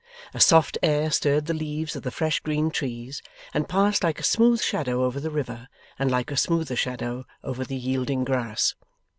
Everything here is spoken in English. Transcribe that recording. A soft air stirred the leaves of the fresh green trees, and passed like a smooth shadow over the river, and like a smoother shadow over the yielding grass.